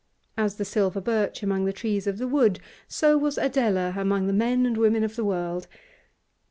As the silver birch among the trees of the wood, so was Adela among the men and women of the world.